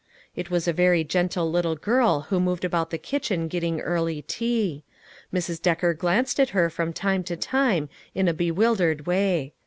It was a very gentle little girl who moved about the kitchen getting early tea ; Mrs. Decker glanced at her from time to time in a bewildered way.